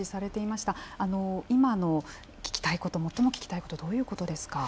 あの今の聞きたいこと最も聞きたいことどういうことですか？